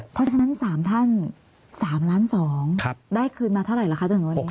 เพราะฉะนั้น๓ท่าน๓ล้าน๒ได้คืนมาเท่าไหร่ล่ะคะจนถึงวันนี้